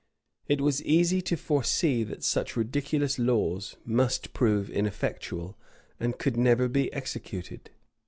[] It was easy to foresee that such ridiculous laws must prove ineffectual, and could never be executed.